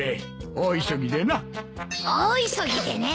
大急ぎでね。